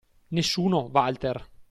Nessuno, Walter!